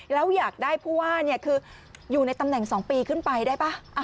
แล้วอยากได้ผู้ว่าคืออยู่ในตำแหน่ง๒ปีขึ้นไปได้ป่ะ